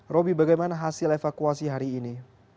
roby bagaimana hasil evakuasi hari ini